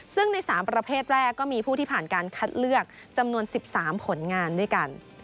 ซึ่งใน๓ประเภทแรกก็มีผู้ที่ผ่านการคัดเลือกจำนวน๑๓ผลงานด้วยกัน